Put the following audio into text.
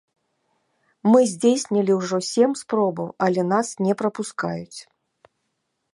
Мы здзейснілі ўжо сем спробаў, але нас не прапускаюць.